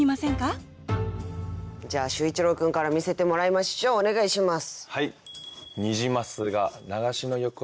じゃあ秀一郎君から見せてもらいましょうお願いします。